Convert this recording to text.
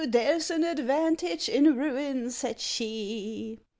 There's an advantage in ruin," said she.